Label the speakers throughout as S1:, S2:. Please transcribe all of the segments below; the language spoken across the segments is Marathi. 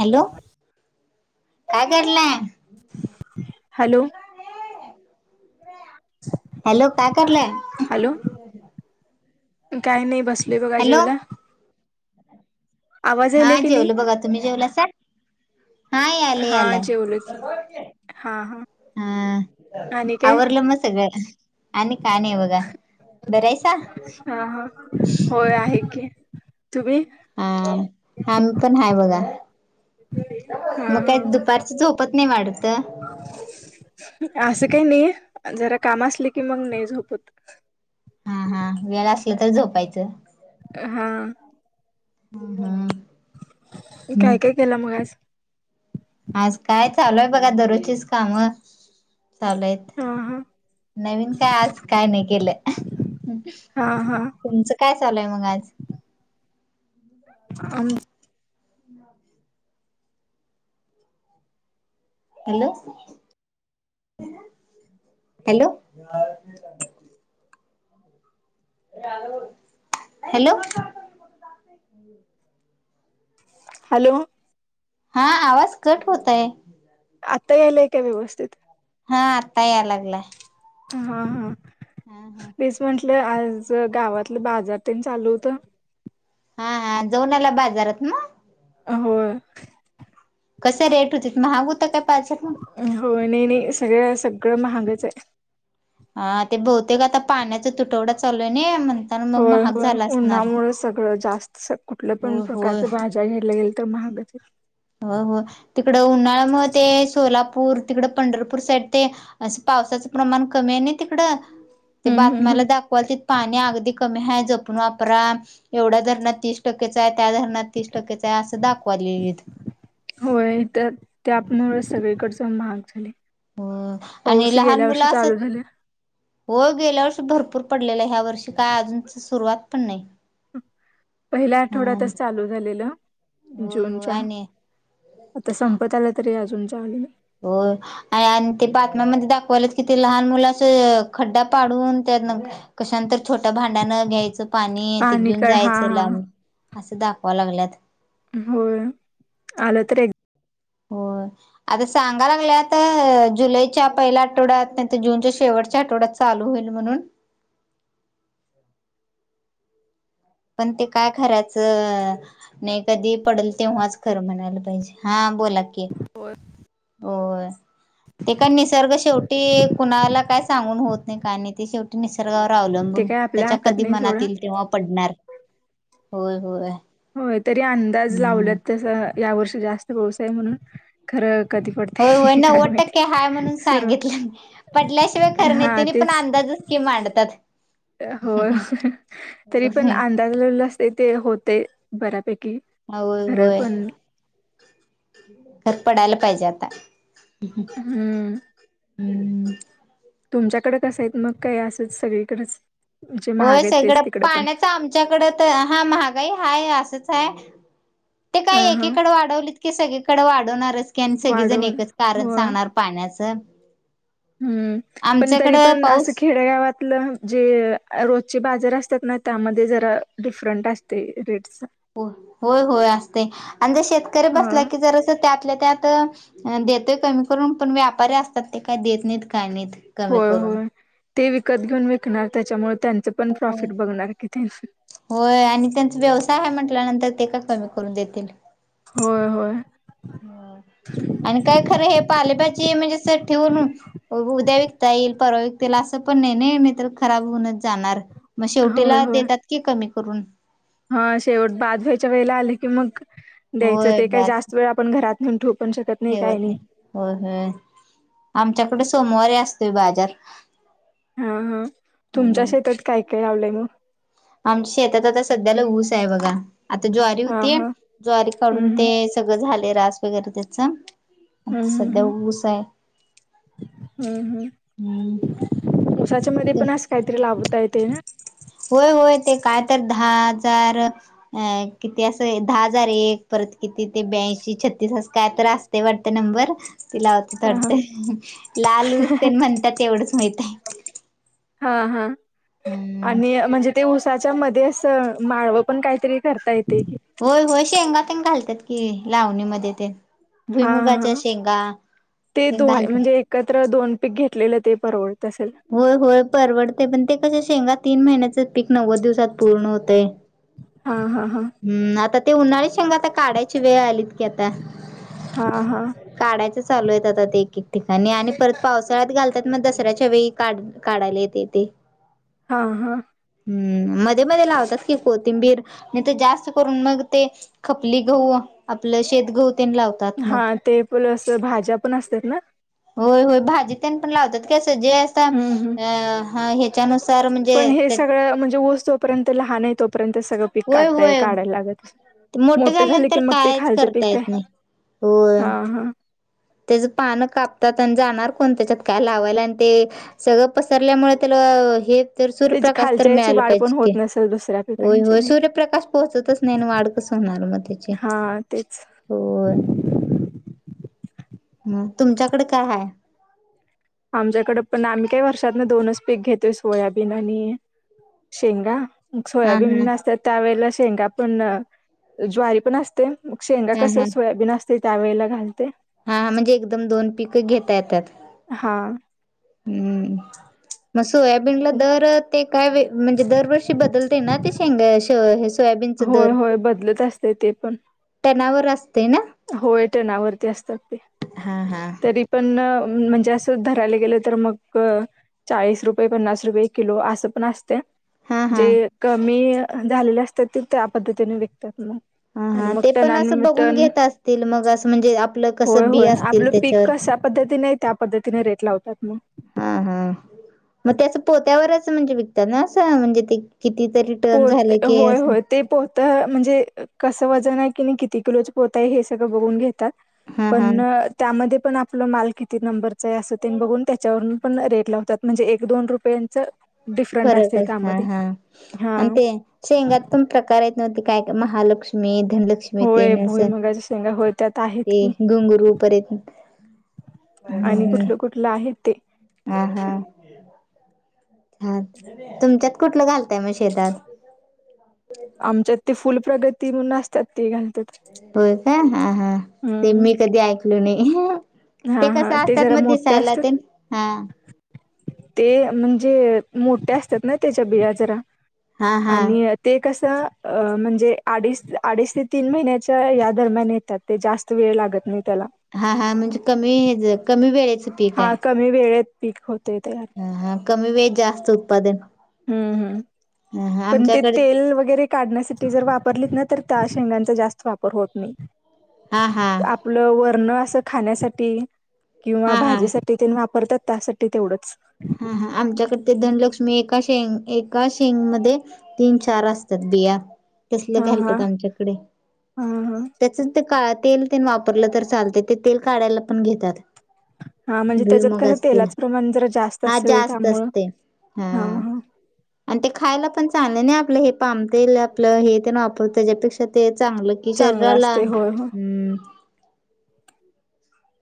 S1: हॅलो कागरला
S2: हॅलो
S1: हॅलो काय करलं
S2: काही नाही बसलय बघा जेवला आवाज
S1: हा
S2: यायलाय की
S1: जेवल
S2: नाही
S1: बघा तुम्ही जेवला स हा याल
S2: हा
S1: याला
S2: जेवलो की हा हा
S1: हा
S2: आणि काय
S1: आवरलं मग सगळं आणि काय नाही बघा बर आयसा
S2: हा हा होय आहे की तुम्ही
S1: हा. आम्ही पण हाय बघा. म काय दुपारची झोपत नाही वाढत
S2: आस काय नाही जरा काम असले की मग नाही झोपत.
S1: हा. हा. वेळ आसल तर झोपायचं
S2: हा
S1: हम
S2: काय काय केलं मग आज
S1: आज काय चालूय बघा दररोजीच काम चालू आहेत.
S2: हा हा
S1: नवीन काय आज काय नाही केलं
S2: हा हा
S1: तुमचं काय चालू आहे मग आज
S2: आमचं
S1: हॅलो हॅलो हॅलो
S2: हॅलो
S1: हा. आवाज कट होतंय
S2: आत्ता यायलाय काय व्यवस्थित
S1: हा आत्ता या लागलाय
S2: हा हा
S1: [inaudible]
S2: [inaudible] आज गावातलं बाजार पेठ चालू होत
S1: हा हा जाऊन आला बाजारात म
S2: होय
S1: कस रेट होतीत महाग हुत काय बाजार मग
S2: होय नही नही सगळं सगळं महागच आहे.
S1: हा ते बहुतेक आता पाण्याचा तुटवडा चालू आहे नय म्हणताना मग
S2: होय
S1: महाग
S2: होय
S1: झाला
S2: उन्हा
S1: असणार
S2: मुळ सगळं जास्त कुठलं पण
S1: होय होय
S2: कायतर भाज्या घ्यायला गेल तर महागच
S1: होय होय तिकड उन्हाळ्या मूळ ते सोलापूर तिकड पंढरपूर साईड ते अस पावसाच प्रमाण कमी आहे नाय तिकडं ते
S2: हम्म हम्म
S1: बातम्या ला
S2: हम्म.
S1: दाखवालतीत पाणी अगदी कमी आहे. जपून वापरा एवढ्या धरणात तीस टक्केच आहे, त्या धरणात तीस टक्केचा आहे, असं दाखवालीत,
S2: होय तर त्यामूळचं सगळीकडच महाग झालंय.
S1: होय आणि लहान मुलं असत्यात.
S2: झाले
S1: होय गेल्यावर्षी भरपूर पडलेला ह्या वर्षी काय अजूनच सुरुवात पण नाही.
S2: पहिल्या
S1: हम
S2: आठवड्यातच चालू झालेलं
S1: होय
S2: जून
S1: हो
S2: च्या.
S1: आणि
S2: आता संपत आला तरी अजून चालू नाही.
S1: होय आणि आणि ते बातम्या मध्ये दाखवल्यात की ते लहान मुल अस खड्डा पाडून त्यात कशानं तरी छोट्या भांड्यान घ्यायचं पाणी ते घेऊन
S2: काळ हा
S1: जायचं लांब असं दाखवालागल्यात.
S2: होय. आलं तर एक
S1: होय. आता सगाय लागल्यात जुलैच्या पहिल्या आठवड्यात नाही तर जूनच्या शेवटच्या आठवड्यात चालू होईल म्हणून. पण ते काय खरायचं नाही कधी पडेल तेव्हाच खरं म्हणायला पाहिजे. हा बोला की
S2: एक
S1: होय ते काय निसर्ग शेवटी कुणाला काय सांगून होत नाही काय नाही ते शेवटी निसर्गावर
S2: ते
S1: अवलंबून
S2: काय आपल्या
S1: त्याच्या
S2: हातात
S1: कधी
S2: नाही सोडा
S1: मनातील तेव्हा पडणार. होय होय.
S2: होय तरी अंदाज
S1: हम्म
S2: लावलात तस या वर्षी जास्त पावसाय म्हणून खरं. कधी
S1: हो होय
S2: पडते काय
S1: नव्वद टक्के हय
S2: माहिती
S1: म्हणून
S2: सुरू
S1: सांगितलं पटल्याशिवाय खरं नाही
S2: हा
S1: त्यां पण अंदाज स्की मांडत
S2: हो तरी पण अंदाज लाला असते ते होते बऱ्यापेकी
S1: होय होय. पडायला पाहिजे आता
S2: हम्म
S1: ह.
S2: तुमच्याकडें कसय आहेत मग काय असंच सगळीकडेच. जे
S1: होय
S2: महाग आहेत तेच
S1: सगडं
S2: तिकडे पण
S1: पाण्याच आमच्याकडे तर हा महागाई हाय असंच काय. ते
S2: ह
S1: काय
S2: हा
S1: एकीकडे वाढवलीत की सगळीकडे वाढवणारच की आणि सगळीजण
S2: वाढवून
S1: एकच कारण
S2: हो
S1: सांगणार पाण्याचं
S2: हम्म पण तरी
S1: आमच्याकडं
S2: पण असं
S1: पाऊस
S2: खेडेगावातलं जे रोजचे बाजार असतात ना त्यामध्ये जरा डिफरंट असते रेट
S1: हो होय होय असते आणि जर शेतकरी
S2: ह
S1: बसला की जर अस आपल्या त्या ता देतोय कमी करून पण व्यापारी असतात ते काही देत नाहीत काय नाहीत. कमी
S2: होय
S1: करून
S2: होय ते विकत घेऊन विकणार त्याच्यामुळे त्यांचं पण
S1: हो
S2: प्रॉफिट बघणार कि ते
S1: होय आणि त्यांचा व्यवसाय आहे म्हण त्यानंतर ते का कमी करून देतील
S2: होय होय.
S1: आणि काय खरं हे. पा ले भाजीम्हणजे ठेवून उद्या विकता येईल परवा विकता असं पण नाही तर ख ब जाणार मग
S2: होय
S1: शेवटीला
S2: होय
S1: देतात की कमी करून.
S2: हा शेवट बाज व्यायच्या वेळेला आले की मग द्यायचं
S1: होय
S2: ते काय
S1: बात
S2: जास्त वेळ आपण घरात म्हून ठोक
S1: ठेवत नाही हो हो आमच्याकडे सोमवारी असतोय बाजार
S2: हा हा तुमच्या
S1: हम्म
S2: शेतात काय काय लावलंय मग
S1: आमच्या शेतात आता सध्याला ऊस आहे बघा. आता ज्वारी
S2: हा
S1: होती
S2: हा
S1: ज्वारी काढून
S2: हम्म
S1: ते
S2: हम्म
S1: सगळं झाले रास वगैरे त्याच आता
S2: हम्म
S1: सध्या
S2: हम्म
S1: ऊस आहे.
S2: हम्म हम्म उसाच्या मध्ये पण अस काहीतरी लाभता येते ना
S1: होय होय ते काय तर दहा हजार अ किती असं दहा हजार एकर् किती ते ब्यांशी छत्तीसस काय तर असते वाटत नंबर ति लावते
S2: हा
S1: थडते लालू
S2: हा
S1: पण म्हणतात एवढंच माहित आहे
S2: हा हा
S1: हम्म
S2: आणि म्हणजे ते उसाच्या मध्ये असं माळवं पण काहीतरी करता येते की
S1: होय होय शेंगा तेंग घालतात की लावणीमध्ये ते
S2: हा
S1: भुईमुगाच्या
S2: हा
S1: शेंगा
S2: ते
S1: तेन
S2: दोन
S1: घालतात.
S2: म्हणजे एकत्र दोन पीक घेतलेले ते परवड
S1: होय होय परवडते पण ते कश शेंगा तीन महिन्याच पिक नव्वद दिवसात पूर्ण होतय
S2: हा हा हा
S1: हम् आता ते उन्हाळीत सांगा आता काढायची वेळ आलीत की आता
S2: हा हा
S1: काढायचं चालू आहेत आ एक एक ठिकाणी आणि परत पावसाळ्यात घाल मग दसऱ्याच्या वेळी काढ काढायला येते ते
S2: हा हा
S1: हम्म मध्ये मध्ये लावतात कि कोथिंबीर नाही तर जास्त करून मग ते खपली घाऊ आपलं शेत घेऊ लावतात मग
S2: हा ते प्लस भाज्या पण असतात ना
S1: होय होय भाजीतन पण लावतात काय असं जे असं
S2: ह्ह
S1: अ हा ह्याच्यानुसार म्हणजे
S2: पण हे
S1: ते
S2: सगळम्हणजे ऊस जोपर्यंत लहान आहे तोर्यंत ना नाही तोपर्यंत सगळं पीक
S1: होय
S2: काढताय
S1: होय
S2: काढायला लागत
S1: मोठं
S2: झालं की
S1: झाल्यानंतर
S2: मग ते
S1: कायच
S2: खालचं
S1: करता
S2: पीक आहे
S1: येत नाही हो
S2: हा हा
S1: त्याज पान कापतात आणि जाणार कोण त्याच्यात काय लावायला, आणि ते सगळं पसरल्यामुळे ते अ हे तर
S2: त्याची
S1: सूर्यप्रकाश तर
S2: खालच्या याची
S1: मिळाला
S2: वाढ पण
S1: पाहिजे
S2: होत
S1: की,
S2: नसेल दुसऱ्या
S1: होय
S2: पिकांची
S1: होय
S2: नाही
S1: सूर्यप्रकाश पोहोचतच नाही वाढ कसं होणार मग त्याची
S2: हा, तेच.
S1: होय, म तुमच्याकडे काय हाय.
S2: आमच्याकडें पण, आम्ही काही वर्षात ना दोनच पीक घेतोय, सोयाबीन आणि शेंगा.
S1: हा हा
S2: सोयाबीन असते त्यावेळेला, शेंगा पण ज्वारी पण असते. मग शेंगा
S1: हा
S2: कस
S1: हा
S2: सोयाबीन असते त्यावेळेला घालते.
S1: हा, म्हणजे एकदम दोन पीक घेता येतात.
S2: हा.
S1: हूं. मग सोयाबीनला दर ते काय म्हणजे दरवर्षी बदलतंय हे ना ते शेंगा श सोयाबीनचा
S2: होय
S1: दर.
S2: होय बदलत असतंय ते पण.
S1: टनावर असते ना?
S2: होय टना वरती असतात ते,
S1: हा हा.
S2: तरी पण अ म्हणजे असं धरायला गेलं तर मग चाळीस रुपये, पन्नास रुपये किलो असं पण असत्या.
S1: हा
S2: जे
S1: हा.
S2: कमी झालेले असतात, ते त्या पद्धतीने विकतात मग.
S1: हा
S2: आणि
S1: हा,
S2: मग
S1: ते पण असं
S2: टनानी
S1: बघून
S2: टन
S1: घेत असतील मग असं म्हणजे आपलं कस
S2: होय,
S1: बी
S2: होय.
S1: असतील
S2: आपलं
S1: ते
S2: पीक कश्या पद्धतीने, त्या पद्धतीने रेट लावतात मग.
S1: पोत्यावरचं म्हणजे विकतात ना, असं म्हणजे ते? कितीतरी टन झालं
S2: पोतं
S1: की
S2: होय
S1: असं.
S2: होय ते पोतं म्हणजे कसं वजन आहे कि नाही, किती किलोच पोत आहे, हे सगळं बघून घेतात.
S1: हा हा
S2: पण त्यामध्ये पण आपलं माल किती नंबरच हाय अस ते बघून त्याच्यावरून पण रेट लावतात म्हणजे एक दोन रुपयांच
S1: फरक, हा हा. अन
S2: हां.
S1: ते शेंगात पणं प्रकार हायत नव ते काय महालक्ष्मी धनलक्ष्मी
S2: होय
S1: तेनं असं
S2: भुईमुगाच्या शेंगा होय त्यात आहेत
S1: ते
S2: की
S1: गुंगुरु परत हम्म
S2: आणि
S1: हम्म.
S2: कुठलं कुठलं आहे ते?
S1: हान, तुमच्यात कुठलं घाल
S2: आमच्यात ते फुल प्रगती म्हणून असत्यात ते घाल
S1: होय का, हा हा, ते
S2: हम्म
S1: मी कधी ऐकलो नाही.
S2: हा
S1: ते
S2: हा
S1: कसं असतात
S2: जरा
S1: मग
S2: मोठे
S1: दिसायला तेन?
S2: असतात
S1: हा.
S2: ते म्हणजे मोठ्या असतात ना, त्याच्या बिया जरा.
S1: हा हा
S2: आणि ते कस म्हणजे अडीच अडीच ते तीन महिन्याच्या या दरम्यान येतात ते, जास्त वेळ लागत नाहीत.
S1: हा हा म्हणजे कमी, कमी वेळेच.
S2: हा, कमी वेळेत पीक होतं.
S1: ह हा, कमी वेळ जास्त उत्पादन.
S2: हम्म हम्म
S1: ह हा
S2: पण ते
S1: आमच्याकडे
S2: तेल वगैरे काढण्यासाठी जर वापरलीत ना, तर ता शेंगांचा जास्त वापर होत नाही,
S1: हा हा
S2: आपलं वरणं अस खाण्यासाठी किंवा
S1: हा
S2: भाजी
S1: हा
S2: [unintelligible] तेनं वापरतात, त्यासाठी तेवढंच.
S1: हू हू, आमच्याकड ते धनलक्ष्मी एकाच शेंग, एका शेंग मध्ये तीन चार असतात बिया तसलं
S2: हा हा
S1: घालतात आमच्याकडे,
S2: हा हा
S1: त्याचच ते काळात तेल तेन वापरलं तर चालते, ते तेल काढायला पण घेतात.
S2: हा म्हणजे त्याज्यात कस
S1: भुईमुगाच तेल
S2: तेलाचं प्रमाण जरा जास्त
S1: हा
S2: असेल
S1: जास्त
S2: त्यामुळं
S1: असते,
S2: हा
S1: हम
S2: हा
S1: आणि ते खायला पण खाण्याने आपलं हे पामतेल आपलं हे ते ना वापर त्याच्यापेक्षा ते चांगलं कि
S2: चांगला
S1: शरीराला?
S2: असते होय हो
S1: हम्म.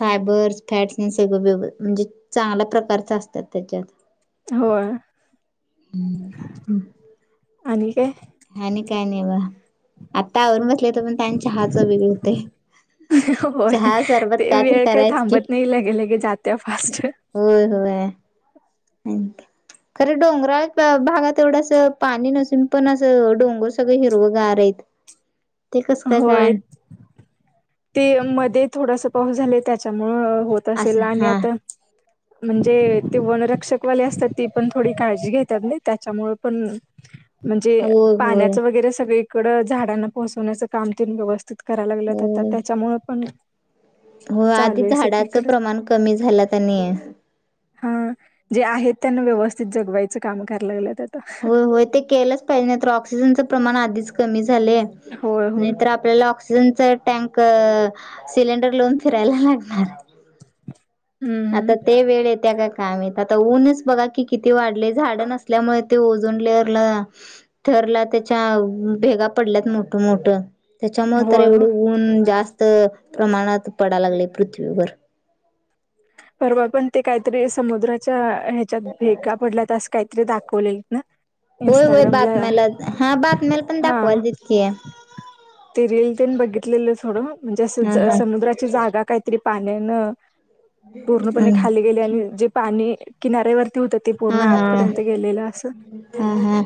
S1: फायबर्स फॅट्स आणि सगळ व्यवस्थित म्हणजे चांगल्या प्रकारच असतात त्याच्यात.
S2: हो आणि काय?
S1: आणि काय नाही बा आता आवरुन बसले तर पण त्यांच्या हाच वेगळे होते.
S2: होय ते वेळ काही
S1: करायच की
S2: थांबत नाही लगेलगे? जात्या फास्ट
S1: अ. खरे डोंगराळ भागात एवढं अस पाणी नसून, पण असं डोंगर सगळं हिरवं गार आहेत.
S2: [unintelligible]
S1: ते कस काय
S2: होय
S1: काय
S2: ते मध्ये थोडासा पाऊस झाला त्याच्यामुळ. होत असेल
S1: असं
S2: आणि
S1: हा
S2: आता म्हणजे ते [unintelligible] रक्षकवाले असतात ती पण थोडी काळजी घेतात नाही त्याच्यामुळे पण म्हणजे
S1: होय होय
S2: पाण्याचं वगैरे सगळीकडं झाडांना पोहोचवण्याचं काम व्यवस्थित कराय लागल्यात
S1: होय.
S2: त्याच्यामुळ पण
S1: हो आधी
S2: चालू आहे
S1: झाडाचं
S2: सगळीकडं
S1: प्रमाण कमी झाल्यात आणि
S2: हा जे आहेत त्यांना व्यवस्थित जगवायचं काम कराय लागलेत
S1: हो हो ते केलंच पाहिजे नाही तर ऑक्सिजनचं प्रमाण आधीच कमी चालेल
S2: होय होय
S1: नाहीतर आपल्याला तर टँक सिलेंडर लावून फिरायला लागणार
S2: हम्म
S1: आता
S2: हम्म
S1: ते वेळ येते का काय माहित, आता ऊनच बघा कि किती वाढले झाड नसल्यामुळे ते ओझोन लेअरला थरला त्याच्या भेगा पडल्यात मोठ मोठ त्याच्यामुळे तर
S2: होय
S1: एवढ
S2: होय
S1: ऊन जास्त त प्रमाणात पडायला लागलय पृथ्वीवर
S2: परवा पण ते काहीतरी समुद्राच्या ह्याच्यात भेगा पडल्या तस काहीतरी दाखवल लं ना?
S1: होय होय
S2: इंस्टाग्रामला
S1: बातम्याला हा बातम्याला पण
S2: हा
S1: दाखवायल तितके
S2: ते रिल तेन बघितलेलं थोडं म्हणजे
S1: हा
S2: अस
S1: हा
S2: समुद्राची जागा काहीतरी पाण्यान पूर्णपणे खाली गेले आणि जे पाणी किनाऱ्यावर
S1: हा हा हा हा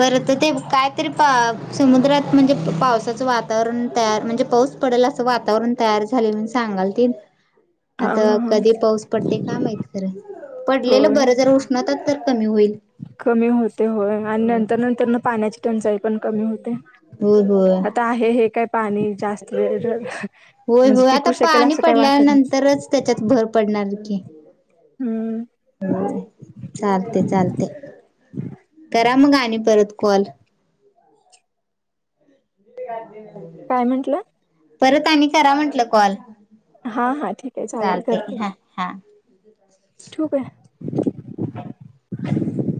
S1: परत ते कायतरी? समुद्रात म्हणजे पावसाचं वातावरण तयार म्हणजे पाऊस पडेल असं वातावरण तयार झाल. झालय म्हणून सांगाल ती.
S2: हा
S1: आता
S2: हा हा
S1: कधी पाऊस पडते काय माहित खरं पडलेलं
S2: होय
S1: बरं जर उष्णतात तर. कमी होईल
S2: कमी होते होय आणि नंतर नंतर न पाण्याची टंचाई? पण कमी होतय
S1: होय होय
S2: आता आहे हे काय? पाणी जास्त वेळ
S1: होय
S2: म्हणजे
S1: होय आता
S2: टिकू शकेल
S1: पाणी
S2: असं काही वाटत नाही
S1: पडल्यानंतरच त्याच्यात भर पडेल? नाजुक.
S2: हम्म
S1: चालते चालते काय? करा मग आणि परत कॉल? बजी [unintelligible]
S2: काय म्हंटलं?
S1: परत आनी करा म्हंटलं कॉल
S2: हा हा ठीक आहे चालेल
S1: चालते
S2: करते
S1: ह हा.
S2: ठेवू काय?